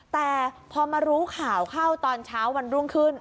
แต่พอมารู้ข่าวเข้าตอนเช้าวันรุ่งขึ้น